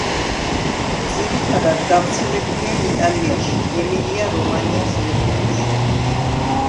ძირითადად გავრცელებულია იტალიაში, ემილია-რომანიას რეგიონში.